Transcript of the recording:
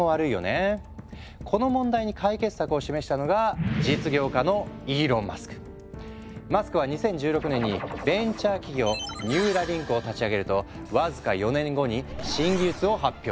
この問題に解決策を示したのがマスクは２０１６年にベンチャー企業ニューラリンクを立ち上げると僅か４年後に新技術を発表。